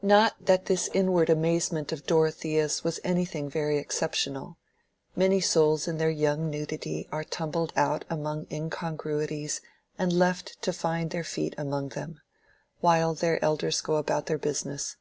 Not that this inward amazement of Dorothea's was anything very exceptional: many souls in their young nudity are tumbled out among incongruities and left to "find their feet" among them, while their elders go about their business.